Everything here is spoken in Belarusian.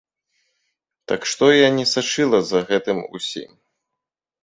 Так што я не сачыла за гэтым усім.